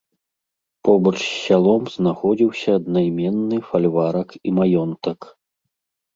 Побач з сялом знаходзіўся аднайменны фальварак і маёнтак.